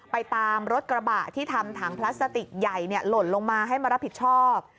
ไปตามรถกระบะที่ทำถังพลาสติกใหญ่หล่นลงมาให้มารับผิดชอบ